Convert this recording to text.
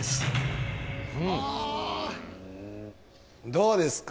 どうですか？